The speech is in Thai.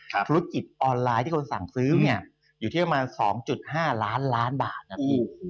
ธุรกิจออนไลน์ที่คนสั่งซื้ออยู่ที่ประมาณ๒๕ล้านบาท